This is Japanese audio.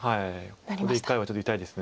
ここで１回はちょっと痛いです。